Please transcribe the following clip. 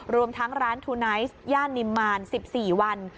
รวมทั้งร้านทูไนท์ย่านนิมมาร๑๔วัน